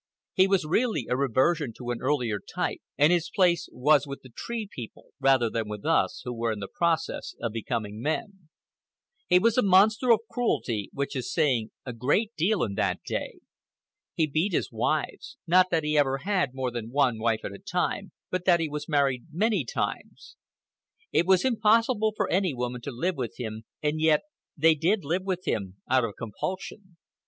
He was really a reversion to an earlier type, and his place was with the Tree People rather than with us who were in the process of becoming men. He was a monster of cruelty, which is saying a great deal in that day. He beat his wives—not that he ever had more than one wife at a time, but that he was married many times. It was impossible for any woman to live with him, and yet they did live with him, out of compulsion.